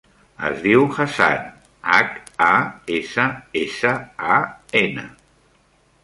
Es diu Hassan: hac, a, essa, essa, a, ena.